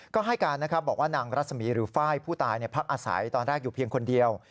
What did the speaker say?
ก็ให้การนะครับบอกว่านางรัศมีหรือไฟล์ผู้ตายพักอาศัยตอนแรกอยู่เพียงคนเดียว